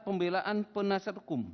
pembelaan penasihat hukum